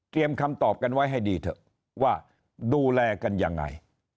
คำตอบกันไว้ให้ดีเถอะว่าดูแลกันยังไง